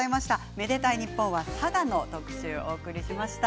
「愛でたいｎｉｐｐｏｎ」は佐賀の特集お送りしました。